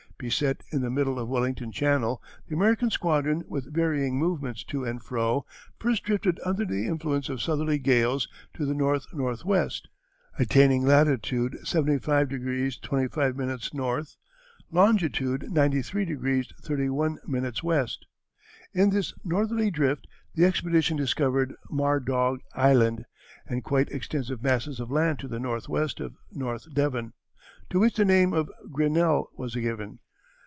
Beset in the middle of Wellington Channel, the American squadron, with varying movements to and fro, first drifted under the influence of southerly gales to the north northwest, attaining latitude 75° 25´ N., longitude 93° 31´ W. In this northerly drift the expedition discovered Murdaugh Island and quite extensive masses of land to the northwest of North Devon, to which the name of Grinnell was given.